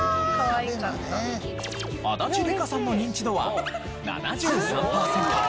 足立梨花さんのニンチドは７３パーセント。